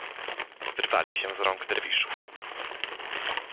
Wyrwali się z rąk Derwiszów.